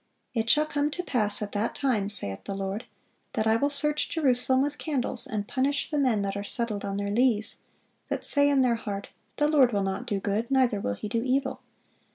(496) "It shall come to pass at that time," saith the Lord, "that I will search Jerusalem with candles, and punish the men that are settled on their lees: that say in their heart, The Lord will not do good, neither will He do evil."